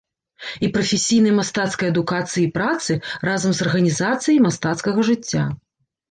І прафесійнай мастацкай адукацыі і працы, разам з арганізацыяй мастацкага жыцця.